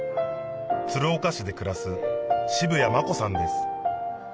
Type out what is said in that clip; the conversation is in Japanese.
鶴岡市で暮らす渋谷真子さんです